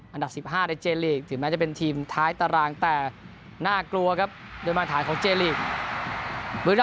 อันดับสิบห้าในเจนลีกย์ถึงแม้จะเป็นทีมท้ายตารางแต่น่ากลัวกับเดินมาทานของเจนลีกย์